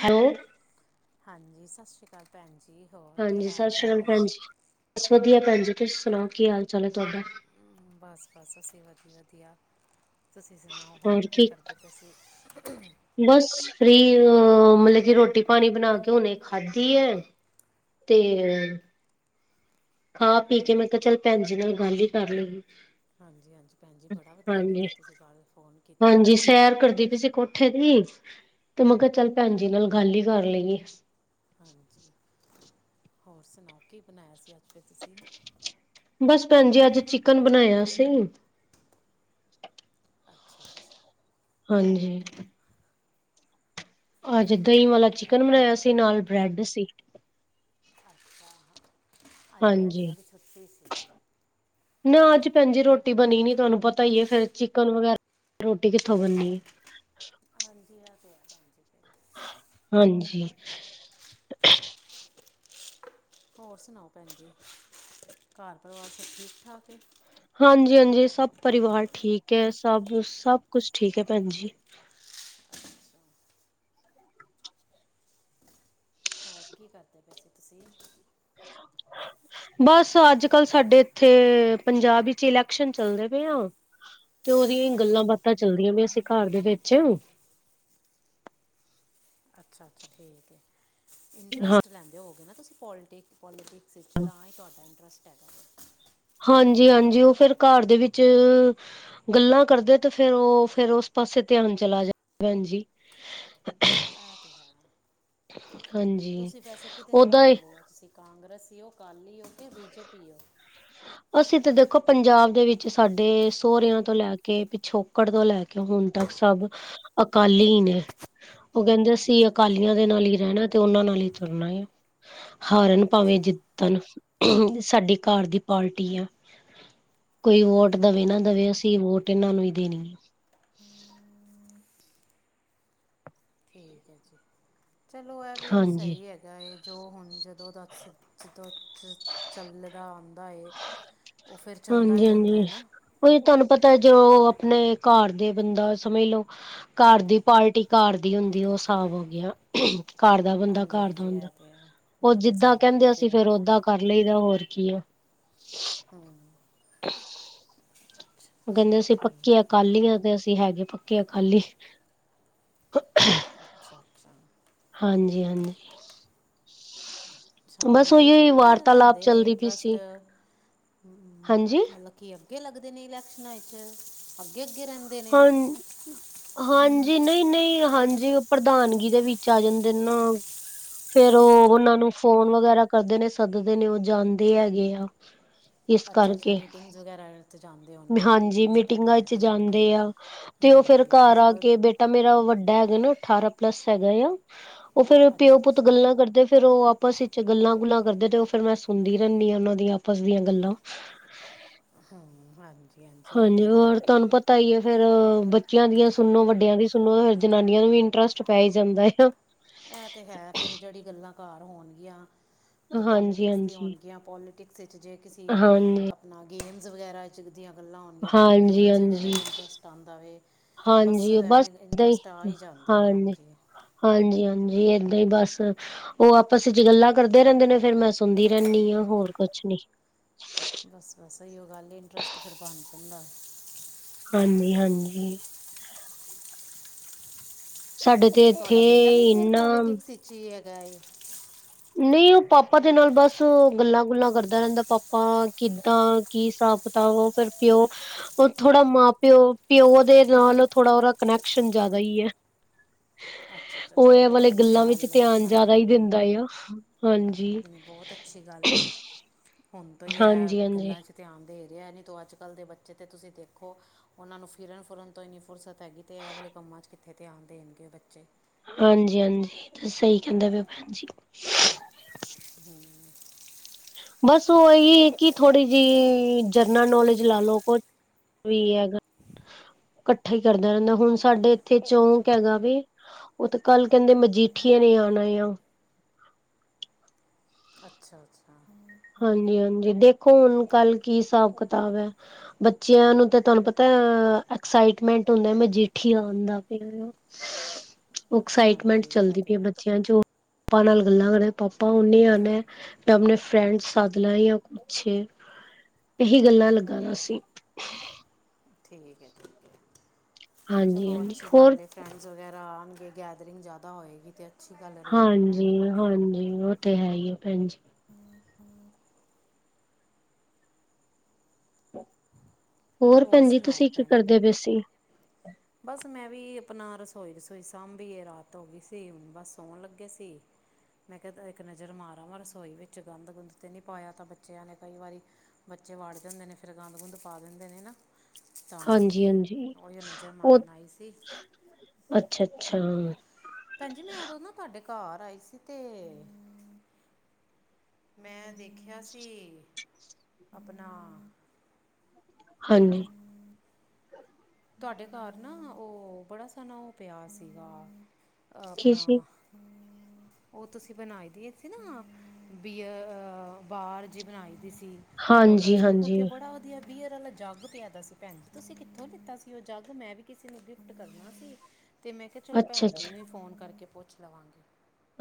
Hello? ਹਾਂਜੀ, ਸਤਿ ਸ਼੍ਰੀ ਅਕਾਲ ਭੈਣ ਜੀ, ਹੋਰ ਕੀ ਹਾਂਜੀ ਹਾਲ ਸਤਿ ਸ਼੍ਰੀ ਚਾਲ ਅਕਾਲ ਏ? ਭੈਣ ਜੀ ਬਸ ਵਧੀਆ ਭੈਣ ਜੀ, ਤੁਸੀਂ ਸੁਣਾਓ ਕੀ ਹਾਲ ਚਾਲ ਹੈ ਤੁਹਾਡਾ? ਬਸ -ਬਸ ਅਸੀਂ ਵਧੀਆ- ਵਧੀਆ ਤੁਸੀਂ ਸੁਣਾਓ, ਹੋਰ ਕੀ ਕਰਦੇ ਪਏ ਸੀ? ਬਸ ਫਰੀ, ਅ ਮਤਲਬ ਕਿ ਰੋਟੀ ਪਾਣੀ ਬਣਾ ਕੇ, ਹੁਣੇ ਖਾਧੀ ਏ ਤੇ ਖਾ ਪੀ ਕੇ, ਮੈਂ ਕਿਹਾ, ਚੱਲ ਭੈਣ ਜੀ ਨਾਲ ਗੱਲ ਹੀ ਕਰ ਲਈਏ। ਹਾਂਜੀ ਹਾਂਜੀ ਭੈਣ ਜੀ ਬੜਾ ਵਧੀਆ ਹਾਂਜੀ- ਕੀਤਾ ਤੁਸੀਂ ਕੱਲ ਫੋਨ ਕੀਤਾ ਹਾਂਜੀ ਸੈਰ ਕਰਦੀ ਪਈ ਸੀ। ਉੱਠੇ ਸੀ ਤੇ, ਮੈਂ ਕਿਹਾ ਚੱਲ ਭੈਣ ਜੀ ਨਾਲ, ਗੱਲ ਹੀ ਕਰ ਲਈਏ। ਹਾਂਜੀ, ਹੋਰ ਸੁਣਾਓ ਕੀ ਬਣਾਇਆ ਸੀ, ਅੱਜ ਫਿਰ ਤੁਸੀਂ ਬਸ ਭੈਣ ਜੀ ਅੱਜ ਚਿਕਨ ਬਣਾਇਆ। ਅਸੀਂ ਅੱਛਾ-ਅੱਛਾ। ਹਾਂਜੀ। ਅੱਜ ਦਹੀਂ ਵਾਲਾ ਚਿਕਨ ਬਣਾਇਆ ਸੀ। ਨਾਲ ਬ੍ਰੈਡ ਸੀ। ਅੱਛਾ। ਅੱਜ ਹਾਂਜੀ। ਰੋਟੀਆਂ ਦੀ ਛੁੱਟੀ ਸੀ ਨਾ ਅੱਜ ਭੈਣ ਜੀ ਰੋਟੀ ਬਣੀ ਨੀ ਤੁਆਨੂੰ ਪਤਾ ਈ ਏ, ਫੇਰ ਚਿਕਨ ਵਗੈਰਾ ਰੋਟੀ ਕਿੱਥੋਂ ਬਣਨੀ ਏ। ਹਾਂਜੀ, ਐ ਤੇ ਹੈਗਾ। ਹਾਂਜੀ। ਹੋਰ ਸੁਣਾਓ? ਭੈਣ ਜੀ ਘਰ ਪਰਿਵਾਰ ਸਭ ਠੀਕ-ਠਾਕ ਹੈ? ਹਾਂਜੀ-ਹਾਂਜੀ ਸਭ ਪਰਿਵਾਰ ਠੀਕ ਹੈ। ਸਭ-ਸਭ ਕੁਛ ਠੀਕ ਹੈ। ਭੈਣ ਜੀ ਅੱਛਾ ਹੋਰ ਕੀ ਕਰਦੇ ਪਏ ਸੀਂ ਤੁਸੀ? [inaudible] ਬਸ ਅੱਜ-ਕੱਲ੍ਹ ਸਾਡੇ ਇੱਥੇ ਪੰਜਾਬ ਵਿੱਚ ਇਲੈਕਸ਼ਨ ਚੱਲਦੇ ਪਏ ਆ। ਤੇ ਉਹਦੀਆਂ ਈ ਗੱਲਾਂ-ਬਾਤਾਂ ਚੱਲਦੀਆਂ ਪਈਆਂ ਸੀ। ਘਰ ਦੇ ਵਿੱਚ ਅੱਛਾ-ਅੱਛਾ ਠੀਕ ਹੈ। ਹਾਂ ਇੰਟਰਸਟ ਲੈਂਦੇ ਹੋਵੋਗੇ ਨਾ ਤੁਸੀਂ ਪੋਲੀਟਿਕ ਪੋਲੀਟਿਕ ਇਸ ਚ ਤਾਂ ਈ ਤੁਹਾਡਾ ਇੰਟਰਸਟ ਹੈਗਾ ਵ ਹਾਂਜੀ-ਹਾਂਜੀ ਉਹ ਫਿਰ ਘਰ ਦੇ ਵਿੱਚ ਗੱਲਾਂ ਕਰਦੇ ਤੇ ਫਿਰ ਉਹ ਫਿਰ ਉਸ ਪਾਸੇ ਧਿਆਨ ਚਲਾ ਜਾ ਭੈਣ ਜੀ ਐ ਤੇ ਹੈ ਹਾਂਜੀ ਤੁਸੀਂ ਪੈਸੇ ਕਿਤੇ ਨਾਲ ਓਦਾਂ ਲਾਉਦੇ ਹੋ? ਤੁਸੀਂ ਕਾਂਗਰਸੀ ਓ, ਅਕਾਲੀ ਓਕਿ ਬੀਜੇਪੀ ਹੋ। ਅਸੀਂ ਤਾਂ ਦੇਖੋ ਪੰਜਾਬ ਦੇ ਵਿੱਚ ਸਾਡੇ ਸੋਹੁਰਿਆਂ ਤੋਂ ਲੈ ਕੇ ਪਿੱਛੋਂ ਕੱਕੜ ਤੋਂ ਲੈ ਕੇ ਹੁਣ ਤੱਕ ਸਭ ਅਕਾਲੀ ਹੀ ਨੇ ਓ ਕਹਿੰਦੇ ਅਸੀਂ ਅੱਛਾ ਅੱਛਾ ਅਕਾਲੀਆਂ ਦੇ ਨਾਲ ਹੀ ਰੈਣਾ ਤੇ ਓਨਾਂ ਨਾਲ ਹੀ ਤੁਰਨਾ ਹਾਰਨ ਭਾਵੇਂ ਅੱਛਾ ਜਿੱਤਣ ਸਾਡੀ ਘਰ ਦੀ ਪਾਰਟੀ ਆ ਕੋਈ ਵੋਟ ਠੀਕ ਦਵੇ ਹੈ ਨਾ ਠੀਕ ਦਵੇ। ਅਸੀਂ ਵੋਟ ਇਹਨਾਂ ਨੂੰ ਵੀ ਦੇਣੀ ਆ। [unintelligible] ਠੀਕ ਐ ਜੀ ਚਲੋ, ਐ ਵੀ ਹਾਂਜੀ ਸਹੀ ਹੈ। ਏ ਜੋ ਹੁਣ ਜਦੋਂ ਦੱਸ ਸਿੱਧੋ ਚ ਚੱਲਦਾ ਆਂਦਾ ਏ ਉਹ ਫਿਰ ਚੱਲਦਾ ਈ ਰੈਂਦਾ ਏ ਨਾ। ਉਹ ਈ ਤੁਹਾਨੂੰ ਪਤਾ ਜੋ ਆਪਣੇ ਘਰ ਦੇ ਬੰਦਾ ਸਮਝ ਲੋ। ਘਰ ਦੀ ਪਾਰਟੀ ਘਰ ਦੀ ਹੁੰਦੀ। ਉਹ ਸਾਬ ਹੋ ਗਿਆ। ਘਰ ਦਾ ਬੰਦਾ ਹਾਂਜੀ ਘਰ ਦਾ ਹਾਂਜੀ ਹੁੰਦਾ। ਇਹ ਤੇ ਹੈ ਉਹ ਬਿਲਕੁਲ ਜਿੱਦਾਂ ਸਹੀ ਗੱਲ ਹੈ ਕਹਿੰਦੇ ਅਸੀਂ ਫਿਰ ਫੇਰ ਓਦਾਂ ਕਰ ਲਈਦਾ ਹੋਰ ਕੀ ਆ? ਹੂੰ। [unintelligible] ਉਹ ਕਹਿੰਦੇ ਅਸੀਂ ਪੱਕੇ ਠੀਕ ਅਕਾਲੀਆਂ ਤੇ ਅਸੀਂ ਹੈਗੇ ਪੱਕੇ ਅਕਾਲੀ ਅੱਛਾ -ਅੱਛਾ। ਹਾਂਜੀ-ਹਾਂਜੀ। ਅੱਛਾ, ਬਸ ਵੀ ਏਦੀ ਉਹੀ ਵੀ ਫਿਰ ਵਾਰਤਾਲਾਪ ਲੈਂਦੇ ਨੇ ਚੱਲਦੀ ਪਈ ਇੰਟਰੱਸਟ ਸੀ ਹਾਂਜੀ ਮਤਲਬ ਕੀ ਅੱਗੇ ਲੱਗਦੇ ਨੇ ਇਲੈਕਸ਼ਨਾਂ ਚ ਅੱਗੇ-ਅੱਗੇ ਰਹਿੰਦੇ। ਨੇ ਹਾਂ, ਹਾਂਜੀ ਨਈ-ਨਈ ਹਾਂਜੀ। ਪ੍ਰਧਾਨਗੀ ਦੇ ਵਿੱਚ ਆ ਜਾਂਦੇ ਨੇ। ਫੇਰ ਉਹ ਉਹਨਾਂ ਨੂੰ ਫੋਨ ਵਗੈਰਾ ਕਰਦੇ ਨੇ ਸੱਦਦੇ ਨੇ ਓ ਜਾਂਦੇ ਹੈਗੇ ਆ। ਏਸ ਅੱਛਾ ਅੱਛਾ ਕਰਕੇ ਮੀਟਿੰਗਸ ਵਗੈਰਾ 'ਚ ਜਾਂਦੇ ਹੋਣਗੇ ਨਾ ਹਾਂਜੀ, ਮੀਟਿੰਗਸ ਅਟੈਂਡ ਮੀਟਿੰਗਾਂ ਵਿੱਚ ਕਰਦੇ ਜਾਂਦੇ। ਹੋਣਗੇ ਦੇਆਂ, ਤੇ ਉਹ ਫਿਰ ਹਾਂਜੀ ਘਰ ਅੱਜ ਆ ਕੇ, ਕੱਲ੍ਹ ਬੇਟਾ ਮੇਰਾ ਵੱਡਾ ਹੈਗਾ ਨਾ। ਅਠਾਰਾਂ ਪਲੱਸ ਹੈਗਾ ਆ। ਓਫੇਰ ਅੱਛਾ ਪਿਓ-ਪੁੱਤ ਅੱਛਾ ਗੱਲਾਂ ਕਰਦੇ। ਫੇਰ ਉਹ ਆਪਸ ਵਿੱਚ ਗੱਲਾਂ-ਗੁੱਲਾਂ ਕਰਦੇ ਤੇ ਓ ਫੇਰ ਮੈਂ ਸੁਣਦੀ ਰੈਣੀ ਆ। ਉਹਨਾਂ ਦੀਆਂ ਆਪਸ ਦੀਆਂ ਗੱਲਾਂ ਹੂੰ, ਹਾਂਜੀ। ਇਹ ਹਾਂਜੀ ਤਾਂ ਹੈ ਓਰ ਧਾਨੂੰ ਤਾਂਈਓ ਏ ਫੇਰ ਬੱਚਿਆਂ ਦੀਆਂ ਸੁਣੋ ਵੱਡਿਆਂ ਦੀ ਸੁਣੋ ਫਿਰ ਜਨਾਨੀਆਂ ਨੂੰ ਵੀ ਇੰਟੱਰਸਟ ਪੈ ਈ ਜਾਂਦਾ। ਇਹ ਤੇ ਹੈ ਫਿਰ ਜਿਹੜੀ ਗੱਲਾਂ ਘਰ ਹੋਣਗੀਆਂ ਜੇ ਹਾਂਜੀ ਪੋਲੀਟਿਕਸ ਦੀਆਂ ਹਾਂਜੀ ਹੋਣਗੀਆਂ ਪੋਲੀਟਿਕ। ਜੇ ਕਿਸੇ ਹਾਂਜੀ ਆਪਣਾ ਗੇਮਸ ਵਗੈਰਾ ਦੀਆਂ ਗੱਲਾਂ ਹੋਣਗੀਆਂ ਫਿਰ ਹਾਂਜੀ ਗੇਮਸ ਵਗੈਰਾ ਹਾਂਜੀ ਜਿਹਵੇ ਟਸਟ ਆਦਾ ਵੇ ਬਸ ਹਾਂਜੀ ਐਵੇਂ ਏਦਾਂ ਇੰਟਰਸਟ ਆ ਹੀ ਈ ਜਾਂਦਾ ਏ ਹਾਂਜੀ। ਹਾਂਜੀ ਹਾਂਜੀ ਏਦਾਂ ਹੀ ਬਸ। ਉਹ ਆਪਸ ਚ ਗੱਲਾਂ ਕਰਦੇ ਰਹਿੰਦੇ ਨੇ ਫੇਰ ਮੈਂ, ਸੁਣਦੀ ਰਹਿੰਦੀ ਹਾਂ ਹੋਰ ਕੁਛ ਨੀ। ਬਸ ਬਸ ਇਹੀਓਂ ਗੱਲ ਹੈ, ਇੰਟਰਸਟ ਫਿਰ ਬਣ ਜਾਂਦਾ। ਹਾਂਜੀ-ਹਾਂਜੀ! ਸਾਡੇ ਤੇ ਇੱਥੇ ਤੁਹਾਡਾ ਬੇਟਾ ਵੀ ਫੇਰ ਇੰਨਾ ਪੋਲੀਟਿਕਸ ਵਿੱਚ ਹੀ ਹੈਗਾ। ਨਹੀਂ! ਉਹ ਪਾਪਾ ਦੇ ਨਾਲ ਬਸ ੳ ਗੱਲਾਂ ਗੁੱਲਾਂ ਕਰਦਾ ਰਹਿੰਦਾ। ਪਾਪਾ, ਕਿੱਦਾਂ? ਕੀ ਹਿਸਾਬ ਕਿਤਾਬ, ਉਹ ਫਿਰ ਪਿਓ। ਉਹ ਥੋੜਾ ਮਾਂ ਪਿਓ ਪਿਓ ਦੇ ਨਾਲ, ਥੋੜਾ ਓਦਾ ਕਨੈਕਸ਼ਨ ਜਿਆਦਾ ਹੀ ਹੈ। ਅੱਛਾ ਅੱਛਾ ਉਹ ਚਲੋ ਇਹ ਵਾਲੇ ਬਹੁਤ ਅੱਛੀ ਗੱਲਾਂ ਵਿੱਚ ਗੱਲ ਹੈ ਧਿਆਨ ਹਾਂਜੀ ਜ਼ਿਆਦਾ ਹੀ ਹਾਂਜੀ ਦਿੰਦਾ ਆ ਹਾਂਜੀ ਬਹੁਤ ਅੱਛੀ ਗੱਲ ਏ ਹੁਣ ਤੋਂ ਹੀ ਹਾਂਜੀ ਹੈ ਹਾਂਜੀ ਗੱਲਾਂ ਚ। ਧਿਆਨ ਦੇ ਰਿਹਾ। ਨਹੀਂ ਤੋ ਅੱਜ ਕੱਲ ਦੇ ਬੱਚੇ ਤੇ ਤੁਸੀ ਦੇਖੋ, ਉਹਨਾਂ ਨੂੰ ਫਿਰਨ ਫੁਰਨ ਤੋਂ ਹੀ ਨਹੀਂ ਫੁਰਸਤ। ਪੇਲੇ ਤੇ ਇਹ ਵਾਲੇ ਕੰਮਾਂ 'ਚ ਕਿੱਥੇ ਧਿਆਨ ਦੇਣਗੇ ਬੱਚੇ। ਹਾਂਜੀ ਹਾਂਜੀ ਤਾਂ ਸਹੀ ਕਹਿੰਦਾ ਪੈ ਭੈਣ ਜੀ। ਹਮ! ਬਸ ਉਹ ਹੀ, ਕਿ ਥੋੜੀ ਜਿਹੀ ਜਰਨਲ ਨੋਲੇਜ ਲਾ ਲੋ ਕੁਛ। [unintelligible] ਇਕੱਠਾ ਹੀ ਕਰਦਾ ਰਹਿੰਦਾ, ਹੁਣ ਸਾਡੇ ਇੱਥੇ ਚੌਂਕ ਹੈਗਾ ਵੀ, ਉਹ ਤੇ ਕੱਲ ਕਹਿੰਦੇ, ਮਜੀਠੀਏ ਨੇ ਆਉਣਾ ਆ। ਅੱਛਾ ਅੱਛਾ। ਹਾਂਜੀ ਹਾਂਜੀ, ਦੇਖੋ ਹੁਣ ਕੱਲ ਕੀ ਹਿਸਾਬ ਕਿਤਾਬ ਹੈ। ਬੱਚਿਆਂ ਨੂੰ ਤੇ ਤੁਹਾਨੂੰ ਪਤਾ ਐਕਸਾਈਟਮੈਂਟ ਹੁੰਦਾ ਮਜੀੇਠੀ ਆਨ ਦਾ ਪ। ਐਕਸਾਈਟਮੈਂਟ ਹਾਂਜੀ ਇਹ ਚੱਲਦੀ ਤਾਂ ਪਈ ਆ ਹੈ ਬੱਚਿਆਂ 'ਚ ਪਾਪਾ ਨਾਲ ਗੱਲਾਂ ਕਰੇ ਪਾਪਾ ਓਨੇ ਆਉਨਾ ਟਮਣੇ। ਫਰੈਂਡ ਸਦਲਾ ਜਾਂ ਕੁਛ ਇਹੀ ਗੱਲਾਂ ਲੱਗਾ ਵਾ ਸੀ। ਠੀਕ ਐ- ਠੀਕ ਐ ਚਲੋ ਹਾਂਜੀ-ਹਾਂਜੀ ਅੱਛੀ ਹੋਰ ਗੱਲ ਏ। ਫਰੈਂਡਸ ਵਗੈਰਾ ਆਉਣਗੇ ਕੇਟਰਿੰਗ ਜ਼ਿਆਦਾ ਹੋਏਗੀ ਅਤੇ। ਅੱਛੀ ਗੱਲ ਰਹੇਗੀ ਹਾਂਜੀ-ਹਾਂਜੀ! ਉਹ ਤੇ ਹੈ ਹੀ ਹੈ, ਭੈਣ ਜੀ! ਹੋਰ ਭੈਣਜੀ ਸੁਣਾਓ ਤੁਸੀਂ ਕੀ ਭੈਣ ਕਰਦੇ ਪੇਸੀ। ਬਸ ਮੈਂ ਵੀ ਆਪਣਾ ਰਸੋਈ ਰਸੋਈ ਸਾਂਭੀ ਏ ਰਾਤ ਹੋ ਗਈ ਸੀ, ਹੁਣ ਬਸ ਸੋਣ ਲੱਗੇ ਸੀ। ਮੈਂ ਕਿਹਾ ਇੱਕ ਨਜ਼ਰ ਮਾਰ ਆਵਾ ਰਸੋਈ ਵਿੱਚ ਗੰਦ ਗੁੰਦ 'ਤੇ ਨਹੀਂ ਪਾਇਆ ਤਾਂ ਬੱਚਿਆਂ ਨੇ ਕਈ ਵਾਰੀ। ਬੱਚੇ ਵਾੜ ਜਾਂਦੇ ਨੇਂ। ਫਿਰ ਗੰਦ ਗੁੰਦ ਪਾ ਦਿੰਦੇ ਨੇਂ, ਨਾ। ਤਾਂ ਹਾਂਜੀ ਹਾਂਜੀ ਉਹੀ ਨਜ਼ਰ ਉਹ ਮਾਰਨ ਆਈ ਸੀ ਅੱਛਾ ਅੱਛਾ। ਭੈਣਜੀ, ਮੈਂ ਉਦੋਂ ਨਾ ਤੁਹਾਡੇ ਘਰ ਆਈ ਸੀ ਤੇ। ਮੈਂ ਦੇਖੇਆ ਸੀ, ਆਪਨਾ ਹਾਂਜੀ! ਤੁਹਾਡੇ ਘਰ ਨਾ ਉਹ ਬੜਾ ਸੋਹਣਾ ਉਹ ਪਿਆ ਸੀਗਾ ਕੀ ਆਪਣਾ। ਸੀ ਹੂੰ ਉਹ ਤੁਸੀਂ ਬਣਾਈ ਦੀ ਸੀ ਨਾ, ਬੀਅਰ ਬਾਹਰ ਜਿਹੀ ਬਣਾਈ ਦੀ ਸੀ। ਬੋਟਲ ਹਾਂਜੀ-ਹਾਂਜੀ ਉੱਥੇ ਬੜਾ ਵਧੀਆ ਬੀਅਰ ਵਾਲਾ ਜੱਗ ਪਿਆਦਾ ਸੀ। ਭੈਣ ਜ ਤੁਸੀਂ ਕਿੱਥੋਂ ਲਿੱਤਾ ਸੀ? ਵੀ ਉਹ ਜਗ, ਮੈਂ ਵੀ ਕਿਸੀ ਨੂੰ ਗਿਫਟ ਕਰਨਾ ਸੀ। ਤੇ ਮੈਂ ਕਿਹਾ ਚਲੋ ਭੈਣ ਜੀ ਅੱਛਾ-ਅੱਛਾ, ਨੂੰ ਹੀ ਫੋਨ ਕਰਕੇ ਪੁੱਛ ਲਵਾਂਗੀ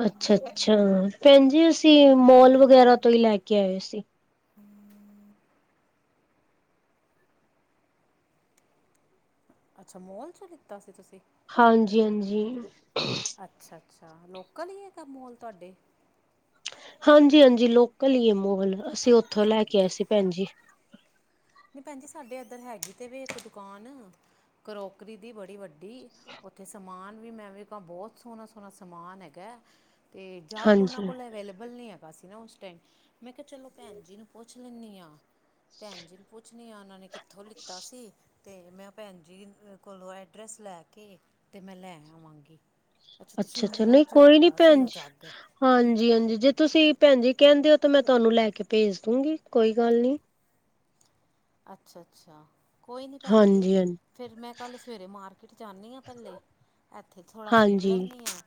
ਅੱਛਾ-ਅੱਛਾ! ਭੈਣ ਜੀ ਅਸੀ ਮੋਲ ਵਗੈਰਾ ਤੋਂ ਹੀ ਲੈ ਕੇ ਆਏ ਸੀ। [unintelligible] ਅੱਛਾ ਮੋਲ ', ਚੋਂ ਲਿੱਤਾ ਸੀ ਤੁਸੀਂ। ਹਾਂਜੀ-ਹਾਂਜੀ! ਅੱਛਾ-ਅੱਛਾ ਲੋਕਲ ਈ ਐ ਕੰਮ ਮੌਲ ਤੁਆਡੇ। ਹਾਂਜੀ ਹਾਂਜੀ ਲੋਕਲ ਹੀ ਮੋਲ, ਅਸੀਂ ਉੱਥੋਂ ਲੈ ਕੇ ਆਏ ਸੀ ਭੈਣ ਜੀ। ਨਹੀਂ ਭੈਣ ਜੀ ਸਾਡੇ ਇੱਧਰ ਹੈਗੀ, ਤੇ ਵੀ ਇੱਕ ਦੁਕਾਨ ਕਰੋਕਰੀ ਦੀ ਬੜੀ ਵੱਡੀ। ਦੀ, ਉੱਥੇ ਸਮਾਨ ਵੀ ਮੈਂ ਐਂਵੇਂ ਕਹਾਂ ਬਹੁਤ ਸੋਹਣਾ-ਸੋਹਣਾ ਸਮਾਨ ਹੈਗਾ ਐ'। ਤੇ ਜੱਗ ਓਨਾਂ ਹਾਂਜੀ, ਕੋਲ ਅਵੇਲੇਬਲ ਨੀ ਹੈਗਾ ਸੀ ਨਾ ਓਸ ਮੈਂ ਕਿਹਾ, ਚਲੋ ਭੈਣ ਜੀ ਨੂੰ ਪੁੱਛ ਲੈਂਦੀ ਹਾਂ ਭੈਣ ਜੀ। ਪੁੱਛਨੀ ਆ, ਉਹਨਾਂ ਨੂ ਕਿੱਥੋਂ ਲਿੱਤਾ ਸੀ। ਤੇ ਮੈਂ ਭੈਣ ਜੀ ਕੋਲੋਂ ਐਡਰੈਸ ਲੈ ਕੇ ਤੇ ਮੈਂ ਲੈ ਆਵਾਂਗੀ। ਅੱਛਾ ਤੁਸੀਂ ਮੋਲ ਚੋ ਦਿੱਤਾ ਸੀ ਓ ਜਾਗ। ਹਾਂਜੀ ਹਾਂਜੀ ਜੇ ਤੁਸੀਂ ਭੈਣ ਜੀ ਕਹਿੰਦੇ ਹੋ, ਤਾਂ ਮੈਂ ਤੁਹਾਨੂੰ ਲੈ ਕੇ ਭੇਜ ਦੂੰਗੀ ਕੋਈ ਗੱਲ ਨਹੀਂ। ਅੱਛਾ-ਅੱਛਾ! ਕੋਈ ਨਹੀਂ ਭੈਣ ਜੀ ਹਾਂਜੀ-ਹਾਂਜੀ। ਫਿਰ, ਮੈਂ ਕੱਲ ਸਵੇਰੇ ਮਾਰਕੀਟ ਜਾਂਨੀ ਹਾਂ ਪਹਿਲੇ। ਇੱਥੇ ਥੋੜਾ ਫਿਰ ਹਾਂਜੀ, ਲੈਂਨੀਂ ਹਾਂ,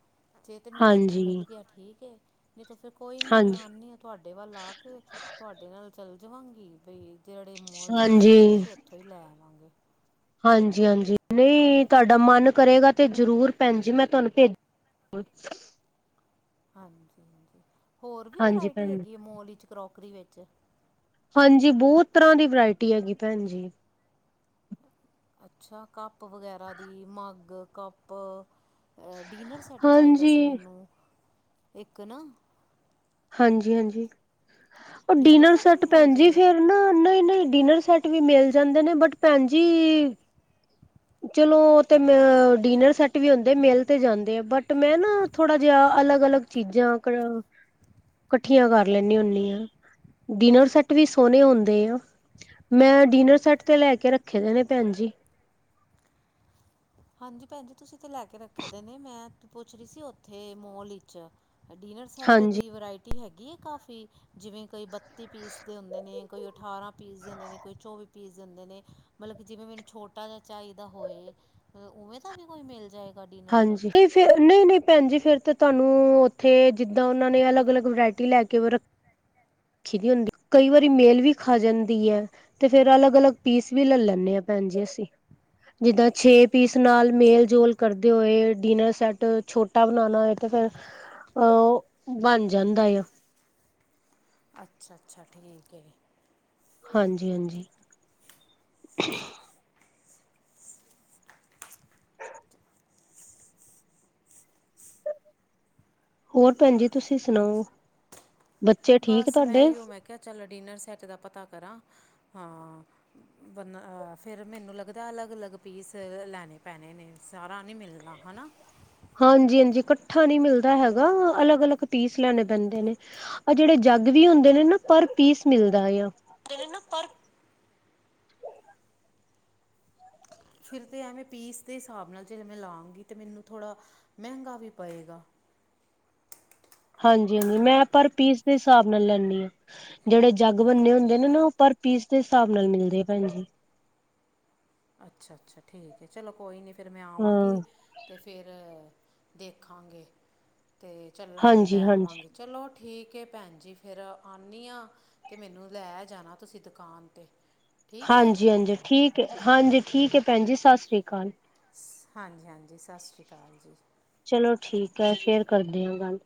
ਜੇ ਤੇ ਮੈਨੂੰ ਇੱਥੋਂ ਮਿਲ ਹਾਂਜੀ, ਗਿਆ, ਠੀਕ ਹੈ। ਨਹੀਂ ਤਾਂ ਫਿਰ ਕੋਈ ਨੀ ਮੈਂ ਹਾਂਜੀ, ਆਉਂਦੀ ਹਾਂ, ਤੁਹਾਡੇ ਵੱਲ ਆ ਕੇ ਤੁਹਾਡੇ ਨਾਲ ਚੱਲ ਜਾਵਾਂਗੀ ਬਈ ਜਿਹੜਾ। ਜੜੇ ਮੋਲ 'ਚ ਤੁਸੀਂ ਗਏ ਹਾਂਜੀ। ਸੀ, ਉੱਥੋਂ ਹੀ ਲੈ ਆਵਾਂਗੇ। ਹਾਂਜੀ ਹਾਂਜੀ ਨਹੀਂ ਤੁਹਾਡਾ ਮਨ ਕਰੇਗਾ ਤੇ, ਜਰੂਰ ਭੈਣ ਜੀ ਮੈਂ ਤੁਹਾਨੂੰ ਭੇਜ। ਕੁਛ ਹਾਂਜੀ ਹਾਂਜੀ ਹੋਰ ਵੀ ਹਾਂਜੀ ਵਰਾਇਟੀ ਭੈਣ ਜੀ। ਹੈਗੀ ਹੈ, ਮੋਲ 'ਵਿਚ ਕਰੋਕਰੀ ਵਿੱਚ। ਹਾਂਜੀ ਬਹੁਤ ਤਰ੍ਹਾਂ ਦੀ ਵਰਾਇਟੀ ਹੈਗੀ, ਭੈਣ ਜੀ। ਅੱਛਾ ਕੱਪ ਵਗੈਰਾ ਦੀ ਮੱਗ-ਕੱਪ ਆਹ ਡੀਨਰ ਸੈੱਟ ਚਾਹੀਦਾ ਹਾਂਜੀ। ਸੀ ਮੈਨੂੰ, ਇੱਕ ਨਾ ਹਾਂਜੀ-ਹਾਂਜੀ ਓ ਡਿਨਰ ਡੀਨਰ ਵੀ ਸੈੱਟ ਮਿਲ ਪੈਣ ਜੀ ਜਾਏਗਾ ਫੇਰ ਨਾ-ਨਾ-ਨਾ ਡੀਨਰ ਸੈਟ ਵੀ ਮਿਲ ਜਾਂਦੇ ਨੇਂ, ਬਟ ਭੈਣ ਜੀ! ਚਲੋ! ਤੇ ਮ, ਡੀਨਰ ਸੈੱਟ ਵੀ ਹੁੰਦੇ। ਮਿਲ ਤੇ ਜਾਂਦੇ ਐਂ। ਬਟ, ਮੈਂ ਨਾ ਥੋੜਾ ਜਿਹਾ, ਅਲੱਗ ਅਲੱਗ ਚੀਜ਼ਾਂ। ਕੱਠੀਆਂ ਕਰ ਲੈਂਣੀ ਹੁੰਨੀਂ ਹਾਂ। ਡਿਨਰ ਸੈੱਟ ਵੀ ਸੋਹਣੇ ਹੁੰਦੇ ਆਂ। ਮੈਂ ਡਿਨਰ ਸੈੱਟ ਤੇ ਲੈ ਕੇ ਰੱਖੇ ਦੇ ਨੇ ਭੈਣ ਜੀ। ਹਾਂਜੀ ਭੈਣ ਜੀ! ਤੁਸੀਂ ਤੇ ਲੈ ਕੇ ਰੱਖੇ ਦੇ ਨੇਂ। ਮੈਂ ਤੇ ਪੁੱਛ ਰਹੀ ਸੀ ਉੱਥੇ, ਮੋਲ ਵਿੱਚ। ਡਿਨਰ ਸੈੱਟ ਹਾਂਜੀ। ਦੀ ਵਰਾਇਟੀ ਹੈਗੀ ਆ ਕਾਫੀ ਜਿਵੇਂ ਕੋਈ ਬੱਤੀ ਪੀਸ? ਦੇ ਹੁੰਦੇ ਨੇ ਕੋਈ ਅਠਾਰਾਂ ਪੀਸ ਦੇਂਦੇ ਹੁੰਦੇ ਨੇ, ਕੋਈ ਚੌਵੀ ਪੀਸ ਦੇਂਦੇ ਨੇ, ਮਤਲਬ ਕਿ ਜਿਵੇਂ ਮੈਨੂੰ ਛੋਟ। ਆਟਾ ਜਿਵੇੰ ਦਾ ਚਾਹੀ ਦਾ ਹੋਏ, ਉਵੇਂ ਦਾ ਵੀ ਕੋਈ ਮਿਲ ਜਾਏ। ਹਾਂਜੀ, ਨਹੀਂ ਫਿਰ ਨਹੀਂ ਨਹੀਂ ਭੈਣ ਜੀ ਫੇਰ ਤਾਂ ਤੁਹਾਨੂੰ। ਉੱਥੇ ਜਿੱਦਾਂ ਉਹਨਾਂ ਨੇ ਅਲੱਗ ਅਲੱਗ, ਵਰਾਇਟੀ ਲੈ ਕੇ ਰੱਖ। ਜਿਵੇੰ ਹੁੰਦੀ ਕਈ ਵਾਰੀ, ਮੇਲ ਵੀ ਖਾ ਜਾਂਦੀ ਹੈ। ਤੇ ਫੇਰ ਅਲੱਗ ਅਲੱਗ ਪੀਸ ਵੀ ਲੈ ਲੈਂਦੇ ਹਾਂ, ਭੈਣ ਜੀ ਅਸੀਂ ਜਿੱਦਾਂ ਛੇ। ਪੀਸ ਅੱਛਾ ਨਾਲ ਅੱਛਾ ਮੇਲ-ਜੋਲ ਕਰਦੇ ਹੋਏ ਡੀਨਰ ਸੈੱਟ ਛੋਟਾ ਬਣਾਣਾ ਹੋਏ ਤੇ ਫਿਰ ਅ ੳ ਬਣ ਜਾਂਦਾ ਏਆ। ਅੱਛਾ-ਅੱਛਾ! ਠੀਕ ਹੈ। ਹਾਂਜੀ-ਹਾਂਜੀ। [unintelligible] ਹੋਰ ਭੈਣ ਜੀ ਤੁਸੀਂ ਅੱਛਾ ਸੁਣਾਓ, ਬੱਚੇ ਠੀਕ ਤੁਹਾਡੇ? ਮੈ ਕਿਹਾ, ਚੱਲ ਡਿਨਰ ਸੈੱਟ ਦਾ ਪਤਾ ਕਰਾਂ ਹਾਂ। ਬਨ ਫਿਰ ਮੈਨੂੰ ਲੱਗਦਾ ਅਲੱਗ ਅਲੱਗ, ਪੀਸ ਲੈਣੇ ਪੈਣੇ ਨੇ, ਸਾਰਾ ਨਹੀਂ ਮਿਲਣਾ। ਹਨਾ। ਹਾਂਜੀ-ਹਾਂਜੀ ਕੱਠਾ ਨੀ ਮਿਲਦਾ ਹੈਗਾ ਅਲੱਗ-ਅਲੱਗ ਪੀਸ ਲੈਣੇ ਪੈਂਦੇ ਨੇ। ਆ ਜਿਹੜੇ ਜੱਗ ਵੀ ਹੁੰਦੇ ਨੇ, ਨਾ ਪਰ ਪੀਸ ਮਿਲਦਾ ਏ। ਤੇਰੇ, ਨ ਪਰ। ਫਿਰ ਤੇ ਐਵੇਂ ਪੀਸ ਦੇ ਹਿਸਾਬ ਨਾਲ ਜੇ ਮੈਂ, ਲਾਂਗੀ ਤੇ ਮੈਨੂੰ ਥੋੜ੍ਹਾ ਮਹਿੰਗਾ ਵੀ ਪਏਗਾ। ਹਾਂਜੀ- ਹਾਂਜੀ, ਮੈਂ ਪਰ ਪੀਸ ਦੇ ਹਿਸਾਬ ਨਾਲ ਲੈਂਣੀ ਆਂ। ਜਿਹੜੇ ਜੱਗ ਬੰਨੇ ਹੁੰਦੇ ਨੇ ਨਾ ਉਹ, ਪਰ ਪੀਸ ਦੇ ਹਿਸਾਬ ਨਾਲ ਮਿਲਦੇ ਭੈਣ ਜੀ। ਅੱਛਾ -ਅੱਛਾ ਠੀਕ ਹੈ ਚਲੋ ਕੋਈ ਨਹੀਂ ਫਿਰ ਮੈਂ ਹਾਂ। ਆਵਾਂਗੀ ਅਤੇ ਫਿਰ ਦੇਖਾਂਗੇ ਤੇ ਚੱਲਾਂਗੇ ਲੈ ਹਾਂਜੀ-ਹਾਂਜੀ, ਆਵਾਂਗੇ। ਚਲੋ ਠੀਕ ਹੈ ਭੈਣ ਜੀ ਫਿਰ ਆਂਨੀ ਆਂ। ਤੇ ਮੈਨੂੰ ਲੈ ਜਾਣਾ ਤੁਸੀਂ ਦੁਕਾਨ ਤੇ ਠੀਕ ਹੈ। ਹਾਂਜੀ -ਹਾਂਜੀ ਠੀਕ ਹੈ ਹਾਂਜੀ ਠੀਕ ਹੈ ਭੈਣ ਜੀ ਸਤਿ ਸ਼੍ਰੀ ਅਕਾਲ। ਸ ਹਾਂਜੀ- ਹਾਂਜੀ ਸਤਿ ਸ਼੍ਰੀ ਅਕਾਲ ਜੀ। ਚਲੋ ਠੀਕ ਹੈ ਫੇਰ ਕਰਦੇ ਹਾਂ ਗੱਲ।